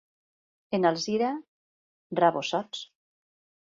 En Alzira, rabosots.